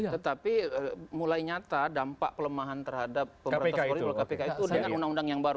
tetapi mulai nyata dampak pelemahan terhadap pemerintah polri melalui kpk itu dengan undang undang yang baru